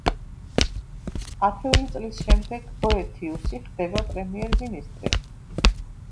ათეული წლის შემდეგ ბოეთიუსი ხდება პრემიერ-მინისტრი.